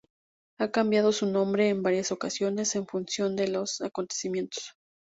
Ha cambiado su nombre en varias ocasiones en función de los acontecimientos.